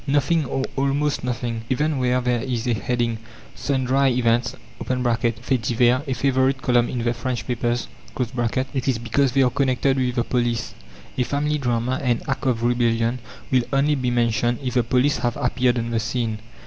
Nothing or almost nothing! Even where there is a heading, "Sundry Events" (Faits divers, a favorite column in the French papers), it is because they are connected with the police. A family drama, an act of rebellion, will only be mentioned if the police have appeared on the scene.